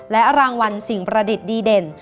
และรางวัลสิ่งประดิษฐ์ดีเด่น